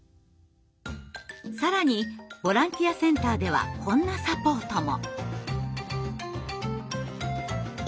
更にボランティアセンターではこんなサポートも。